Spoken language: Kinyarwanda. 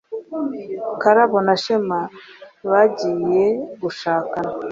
Karabo na Shema bagiye gushakana